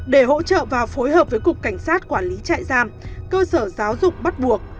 để hỗ trợ và phối hợp với cục cảnh sát quản lý trại giam cơ sở giáo dục bắt buộc